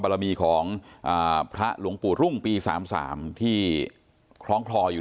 บรรมีของอ่าพระหลวงปู่รุ่งปีสามสามที่คล้องคลออยู่